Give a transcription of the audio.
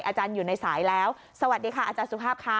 อาจารย์อยู่ในสายแล้วสวัสดีค่ะอาจารย์สุภาพค่ะ